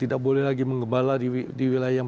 tidak boleh lagi mengembala di wilayah yang